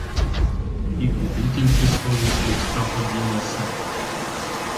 І куди тільки совість людська поділася?